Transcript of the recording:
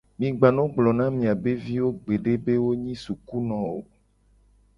Mi gba no gblona miabe viwo gbede be wo nyi sukuno o.